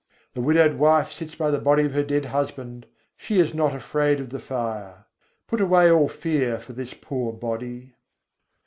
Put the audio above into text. The widowed wife sits by the body of her dead husband: she is not afraid of the fire. Put away all fear for this poor body.